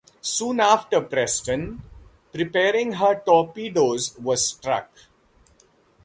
Soon after, "Preston", preparing her torpedoes, was struck.